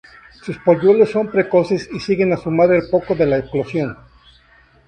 Sus polluelos son precoces y siguen a su madre al poco de la eclosión.